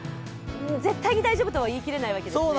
絶対に大丈夫とはいいきれないんですね？